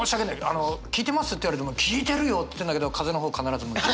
あの「聞いてます？」って言われても「聞いてるよ」っつってんだけど風の方必ず向いて。